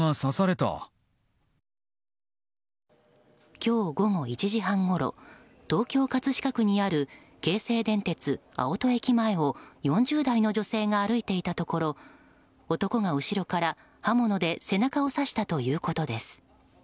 今日午後１時半ごろ東京・葛飾区にある京成電鉄青砥駅前を４０代の女性が歩いていたところ男が後ろから刃物で背中を刺したということです。